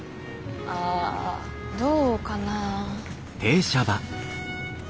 ああどうかな。